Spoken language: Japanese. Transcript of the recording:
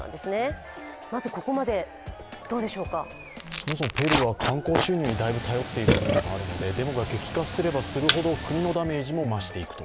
そもそもペルーは観光収入にだいぶ頼っている国でもあるのでデモが激化すればするほど国のダメージも増していくと。